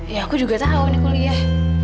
ya aku juga tahu nih kuliah